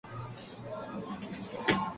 Estoy muy emocionado.